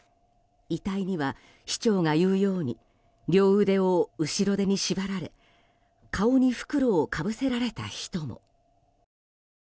遺体には市長が言うように両腕を後ろで縛られ顔に袋をかぶせられた人も。